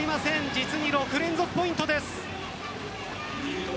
実に６連続ポイントです。